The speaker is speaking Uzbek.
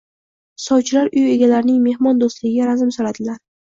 sovchilar uy egalarining mehmon do’stligiga razm soladilar.